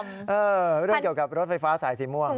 เรื่องเกี่ยวกับรถไฟฟ้าสายสีม่วง